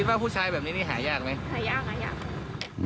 คิดว่าผู้ชายแบบนี้หายากไหม